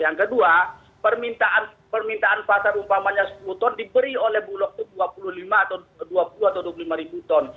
yang kedua permintaan pasar umpamanya sepuluh ton diberi oleh bulog itu dua puluh lima atau dua puluh atau dua puluh lima ribu ton